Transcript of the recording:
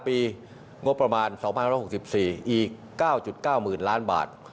อีก๙๙หมื่นล้านบาท